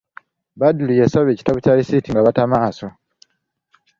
Badru yabasaba ekitabo kya lisiiti nga bata maaso.